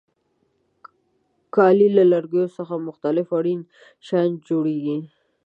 کالي له لرګیو څخه مختلف اړین شیان جوړیږي.